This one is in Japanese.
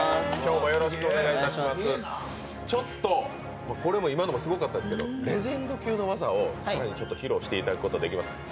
ちょっと、これも今のもすごかったですけれども、レジェンド級の技を更に披露していただくことできますか？